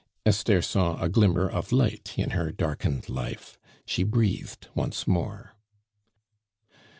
Esther saw a glimmer of light in her darkened life; she breathed once more.